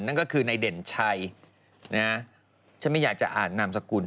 นั่นก็คือในเด่นชัยนะฉันไม่อยากจะอ่านนามสกุล